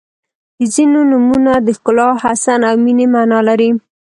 • ځینې نومونه د ښکلا، حسن او مینې معنا لري.